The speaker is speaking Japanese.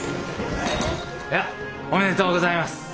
やあおめでとうございます。